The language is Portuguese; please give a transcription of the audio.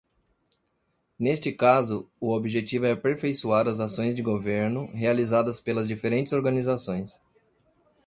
Neste caso, o objetivo é aperfeiçoar as ações de governo realizadas pelas diferentes organizações.